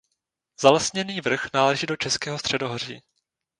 Zalesněný vrch náleží do Českého středohoří.